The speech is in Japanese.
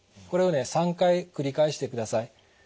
これをね３回繰り返してください。